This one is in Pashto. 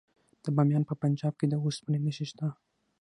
د بامیان په پنجاب کې د وسپنې نښې شته.